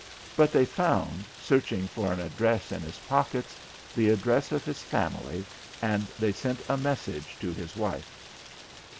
But they found, searching for an address in his pockets, the address of his family, and they sent a message to his wife.